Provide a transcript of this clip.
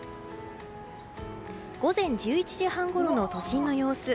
午前１１時半ごろの都心の様子。